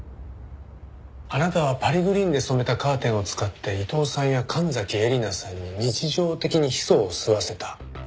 あなたはパリグリーンで染めたカーテンを使って伊藤さんや神崎えりなさんに日常的にヒ素を吸わせた。